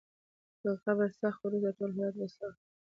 که قبر سخت وي، وروسته ټول حالات به سخت وي.